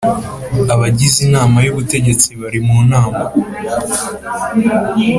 Abagize inama y ubutegetsi bari mu nama